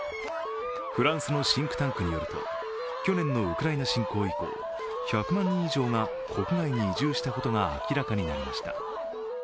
フランスのシンクタンクによると去年のウクライナ侵攻以降、１００万人以上が国外に移住したことが明らかになりました。